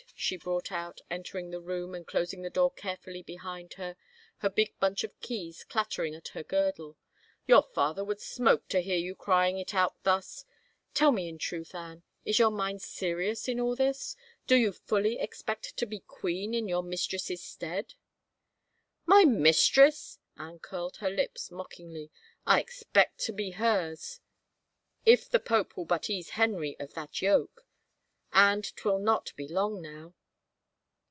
" she brought out, entering the room and closing the door carefully behind her, her big bunch of keys clattering at her girdle, " your father would smoke to hear you crying it out thus. ... Tell me in truth, Anne, is your mind serious in all this? Do you fully expect to be queen in your mistress's stead?" " My mistress !" Anne curled her lips mockingly. " I expect to be hers, if the pope will but ease Henry of that yoke. And 'twill not be long now."